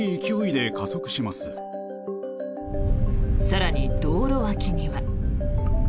更に、道路脇には。